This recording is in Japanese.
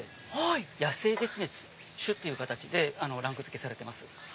野生絶滅種っていう形でランク付けされてます。